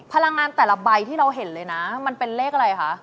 พลังงานแต่ละใบที่เราเห็นเลยนะมันเป็นเลขอะไรคะ